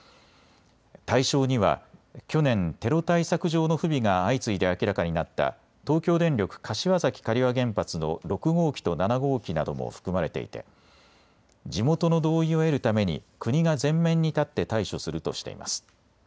対象には去年、テロ対策上の不備が相次いで明らかになった東京電力柏崎刈羽原発の６号機と７号機なども含まれていて地元の同意を得るためために国が前面に立って対処するとしています。